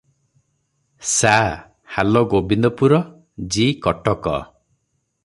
ସା:ହାଲ ଗୋବିନ୍ଦପୁର ଜି:କଟକ ।